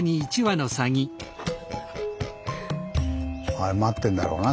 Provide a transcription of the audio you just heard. あれ待ってんだろうな